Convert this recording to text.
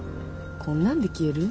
こんなんで消える？